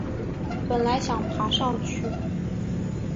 本来想爬上去